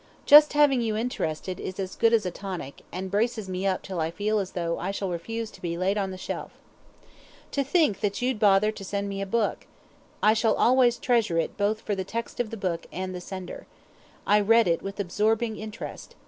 Just having you interested is as good as a tonic, and braces me up till I feel as though I shall refuse to be "laid on the shelf." ... To think that you'd bother to send me a book. I shall always treasure it both for the text of the book and the sender. I read it with absorbing interest.